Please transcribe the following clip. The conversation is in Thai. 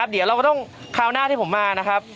เดี๋ยวเราก็ต้องคราวหน้าที่ผมมานะครับ